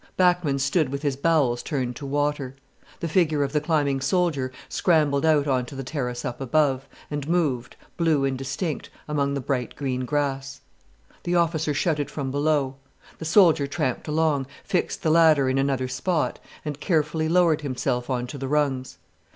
Bachmann stood with his bowels turned to water. The figure of the climbing soldier scrambled out on to the terrace up above, and moved, blue and distinct, among the bright green grass. The officer shouted from below. The soldier tramped along, fixed the ladder in another spot, and carefully lowered himself on to the rungs.